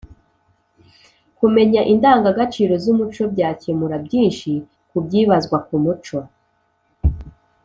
Kumenya indanga gaciro zumuco byakemura byinshi kubyibazwa ku muco